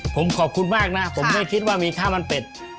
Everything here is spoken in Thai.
ผมขอบคุณมากนะผมไม่คิดว่ามีข้าวมันเป็ด